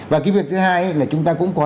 và cái việc thứ hai là chúng ta cũng có